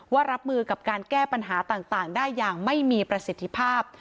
รับมือกับการแก้ปัญหาต่างได้อย่างไม่มีประสิทธิภาพ